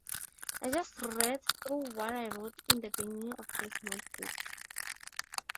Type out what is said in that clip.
I just read through what I wrote in the beginning of this notebook.